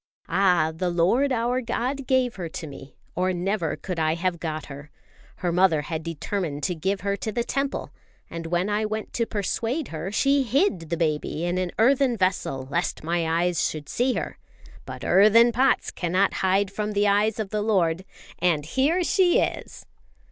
"Ah, the Lord our God gave her to me, or never could I have got her! Her mother had determined to give her to the Temple; and when I went to persuade her, she hid the baby in an earthen vessel lest my eyes should see her. But earthen pots cannot hide from the eyes of the Lord. And here she is!"